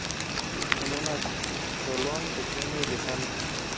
Es un atolón pequeño y lejano.